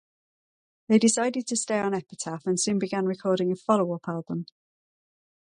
They decided to stay on Epitaph and soon began recording a follow-up album.